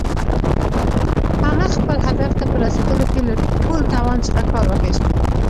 هغه خپل هدف ته په رسېدلو کې له ټول توان څخه کار واخيست.